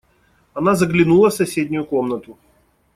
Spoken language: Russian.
Она заглянула в соседнюю комнату.